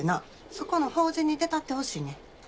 そこの法事に出たってほしいねん。